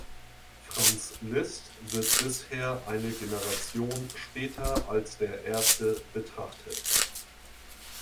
Franz Liszt wird bisher eine Generation später als der Erste betrachtet.